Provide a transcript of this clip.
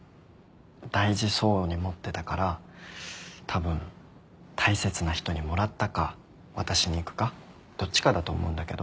大事そうに持ってたからたぶん大切な人にもらったか渡しに行くかどっちかだと思うんだけど。